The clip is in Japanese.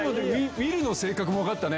ウィルの性格も分かったね。